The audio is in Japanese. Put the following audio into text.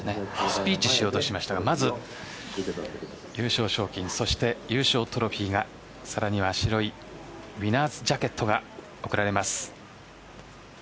スピーチしようとしましたがまず、優勝賞金そして、優勝トロフィーがさらには白いウイナーズジャケットが贈られます。